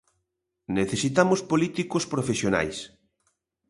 Necesitamos políticos profesionais.